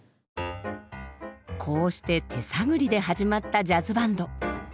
こうして手探りで始まったジャズバンド。